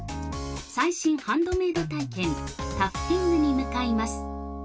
最新ハンドメイド体験タフティングに向かいます。